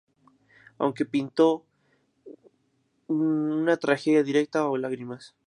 Aunque nunca pintó una tragedia directa o lágrimas.